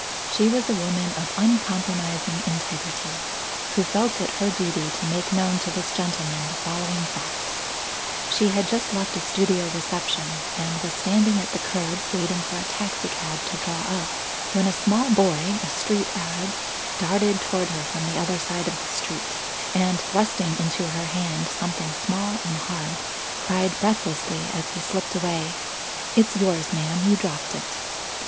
She was a woman of uncompromising integrity, who felt it her duty to make known to this gentleman the following facts: She had just left a studio reception, and was standing at the curb waiting for a taxicab to draw up, when a small boy a street arab darted toward her from the other side of the street, and thrusting into her hand something small and hard, cried breathlessly as he slipped away, "It's yours, ma'am; you dropped it."